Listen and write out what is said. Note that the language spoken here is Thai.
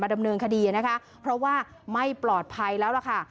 ดำเนินคดีนะคะเพราะว่าไม่ปลอดภัยแล้วล่ะค่ะ